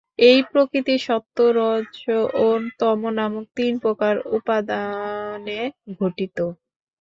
এই প্রকৃতি সত্ত্ব, রজ ও তম নামক তিন প্রকার উপাদানে গঠিত।